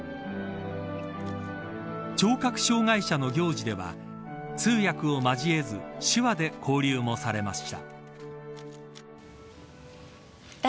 聴覚障害者の行事では通訳を交えず手話で交流もされました。